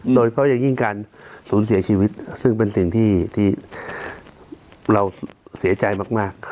โดยเฉพาะอย่างยิ่งการสูญเสียชีวิตซึ่งเป็นสิ่งที่เราเสียใจมาก